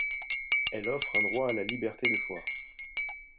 Elle offre un droit à la liberté de choix.